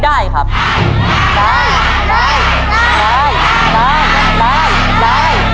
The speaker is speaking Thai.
ได้ได้ได้